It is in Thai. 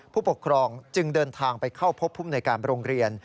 ผู้ปกครองจึงเดินทางไปเข้าพบภูมิในการโรงเรียน